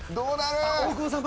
大久保さん